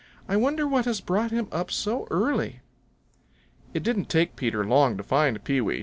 I wonder what has brought him up so early." It didn't take Peter long to find Pewee.